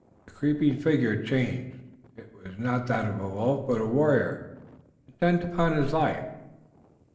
The creeping figure changed. It was not that of a wolf, but a warrior, intent upon his life.